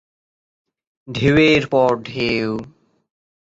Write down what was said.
ঢেউ এর পর ঢেউ।